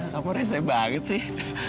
kamu resah banget sih